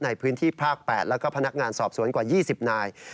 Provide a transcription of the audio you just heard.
ในพื้นที่ภาค๘แล้วก็พนักงานสอบสวนกว่า๒๐นาย